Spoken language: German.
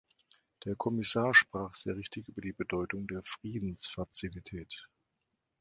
Der Kommissar sprach sehr richtig über die Bedeutung der Friedensfazilität.